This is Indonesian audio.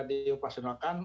akan sederhana dioperasikan